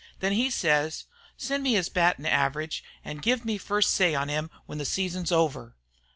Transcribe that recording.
Then he sez, 'Send me his battin' average, an' give me first say on him when the season's over.'"